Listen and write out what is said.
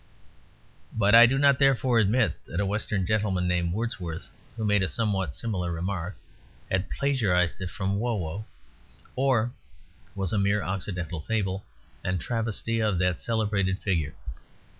But, I do not therefore admit that a Western gentleman named Wordsworth (who made a somewhat similar remark) had plagiarised from Wo Wo, or was a mere Occidental fable and travesty of that celebrated figure.